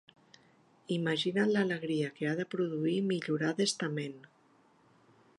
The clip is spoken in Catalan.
Imagina't l'alegria que ha de produir millorar d'estament!